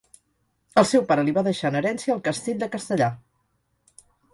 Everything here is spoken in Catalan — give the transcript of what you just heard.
El seu pare li va deixar en herència el castell de Castellar.